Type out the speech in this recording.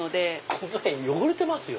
この辺汚れてますよ。